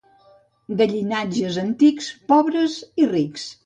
De llinatges antics, pobres i rics.